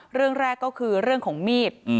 เรื่องแรกก็คือเรื่องของมีด